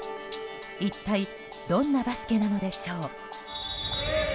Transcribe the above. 一体どんなバスケなのでしょう。